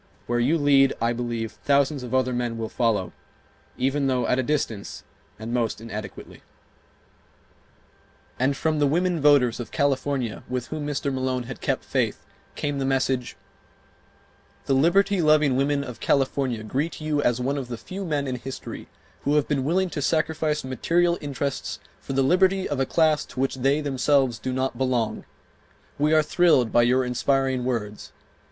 Where you lead, I believe, thousands of other men will follow, even though at a distance, and most inadequately ...." And from the women voters of California with whom Mr. Malone had kept faith came the message: "The liberty loving women of California greet you as one of the few men in history who have been willing to sacrifice material interests for the liberty of a class to which they themselves do not belong. We are thrilled by your inspiring words.